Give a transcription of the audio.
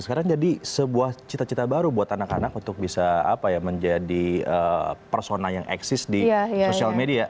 sekarang jadi sebuah cita cita baru buat anak anak untuk bisa menjadi persona yang eksis di sosial media